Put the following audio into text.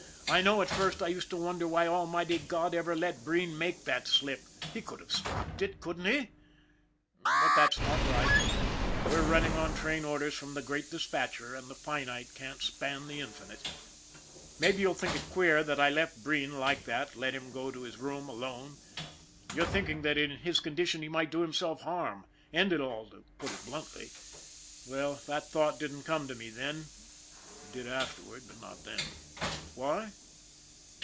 I know at first I used to wonder why Almighty God ever let Breen make that slip. He could have stopped it, couldn't He? But that's not right. We're running on train orders from the Great Dispatcher, and the finite can't span the infinite. Maybe you'll think it queer that I left Breen like that, let him go to his room alone. You're thinking that in his condition he might do himself harm end it all, to put it bluntly. Well, that thought didn't come to me then, it did afterward, but not then. Why